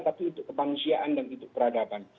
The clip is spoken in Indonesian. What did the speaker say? tapi untuk kemanusiaan dan untuk peradaban